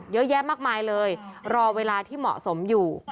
เยอะแยะมากมายเลยรอเวลาที่เหมาะสมอยู่